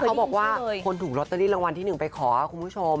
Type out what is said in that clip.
เขาบอกว่าคนถูกลอตเตอรี่รางวัลที่๑ไปขอคุณผู้ชม